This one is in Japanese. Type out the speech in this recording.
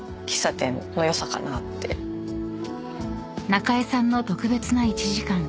［中江さんの特別な１時間］